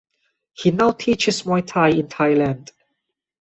He now teaches Muay Thai in Thailand.